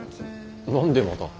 何でまた。